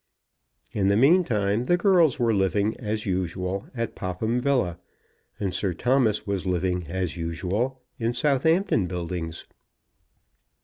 In the meantime the girls were living, as usual, at Popham Villa, and Sir Thomas was living, as usual, in Southampton Buildings.